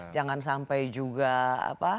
jangan sampai juga apa